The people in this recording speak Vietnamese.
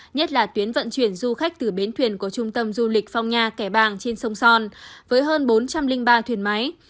nhất là tuyến vận chuyển du khách từ bến thuyền của trung tâm du lịch phong nha kẻ bàng trên sông son với hơn bốn trăm linh ba thuyền máy